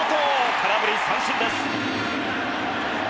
空振り三振です。